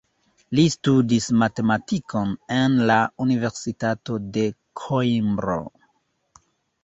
Li studis matematikon en la Universitato de Koimbro.